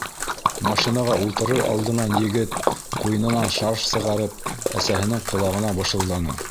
Машинаға ултырыр алдынан егет, ҡуйынынан шарф сығарып, әсәһенең ҡолағына бышылданы: